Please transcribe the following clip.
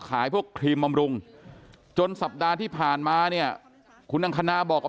ขายพวกครีมบำรุงจนสัปดาห์ที่ผ่านมาเนี่ยคุณอังคณาบอกกับ